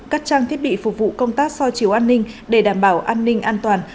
các trang thiết bị phục vụ công tác so chiếu an ninh để đảm bảo an ninh an toàn